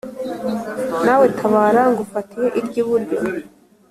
nawe tabara ngufatiye iryiburyo